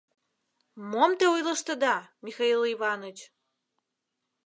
— Мом те ойлыштыда, Михаил Иваныч?